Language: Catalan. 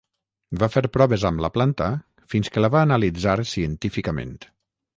Va fer proves amb la planta fins que la va analitzar científicament.